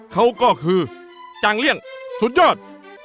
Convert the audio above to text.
เขาก็คือจางเลี่ยงสุดยอด